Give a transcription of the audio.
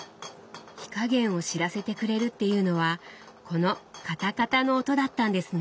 火加減を知らせてくれるっていうのはこの「カタカタ」の音だったんですね。